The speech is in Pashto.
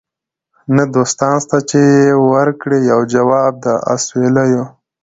نه دوستان سته چي یې ورکړي یو جواب د اسوېلیو